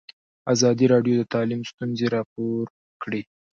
ازادي راډیو د تعلیم ستونزې راپور کړي.